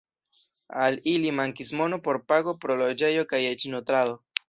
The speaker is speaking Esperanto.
Al ili mankis mono por pago pro loĝejo kaj eĉ nutrado.